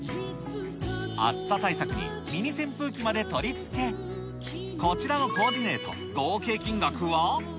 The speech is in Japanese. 暑さ対策に、ミニ扇風機まで取り付け、こちらのコーディネート、合計金額は？